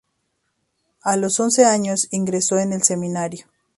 A los once años ingresó en el seminario.